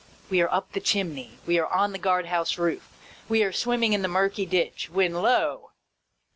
We are up the chimney, we are on the guard house roof, we are swimming in the murky ditch, when, lo